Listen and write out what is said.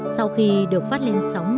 sau khi được phát lên sóng